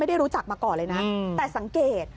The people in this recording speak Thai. ไม่ได้รู้จักมาก่อนเลยนะแต่สังเกต